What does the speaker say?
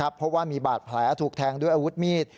เพราะว่ามีบาดแผลถูกแทงด้วยอาวุธมีด